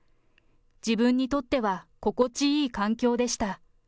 自分にとっては心地いい環境でした。